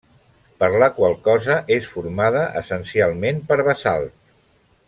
Per la qual cosa, és formada essencialment per basalt.